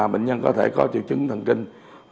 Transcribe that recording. bệnh nhân có thể có triệu chứng thần kinh